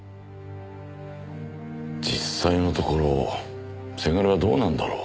実際のところせがれはどうなんだろう？